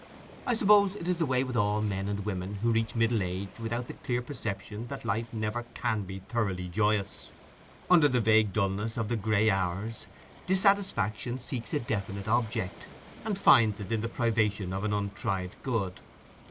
I suppose it is the way with all men and women who reach middle age without the clear perception that life never can be thoroughly joyous: under the vague dullness of the grey hours, dissatisfaction seeks a definite object, and finds it in the privation of an untried good.